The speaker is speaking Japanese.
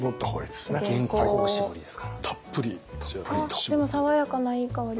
でも爽やかないい香り。